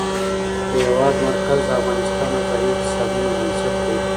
د هېواد مرکز د افغانستان د ځایي اقتصادونو بنسټ دی.